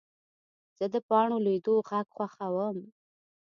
زه د پاڼو لوېدو غږ خوښوم.